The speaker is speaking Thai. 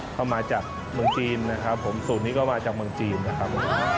เข้ามาจากเมืองจีนนะครับผมสูตรนี้ก็มาจากเมืองจีนนะครับ